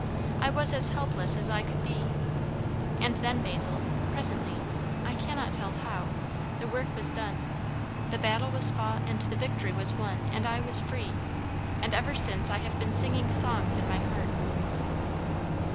I was as helpless as I could be. And then Basil, presently, I cannot tell how, the work was done. The battle was fought and the victory was won, and I was free. And ever since I have been singing songs in my heart."